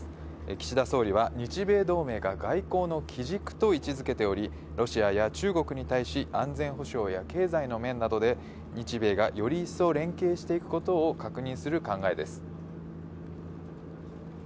岸田総理は日米同盟が外交の基軸と位置づけており、ロシアや中国に対し、安全保障や経済の面などで、日米がより一層連携していくことを確認する考えです。